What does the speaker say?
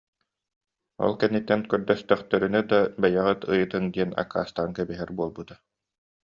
Ол кэнниттэн көрдөстөхтөрүнэ да, бэйэҕит ыйытыҥ диэн аккаастаан кэбиһэр буолбута